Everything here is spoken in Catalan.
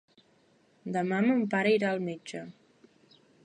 Demà mon pare irà al metge.